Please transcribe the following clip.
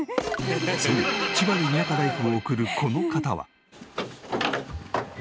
そう千葉で田舎ライフを送るこの方は。